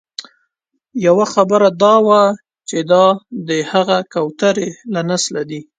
یوه خبره دا وه چې دا د هغه کوترې له نسله دي.